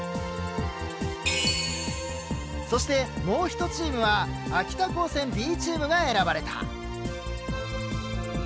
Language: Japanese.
そしてもう１チームは秋田高専Ｂチームが選ばれた。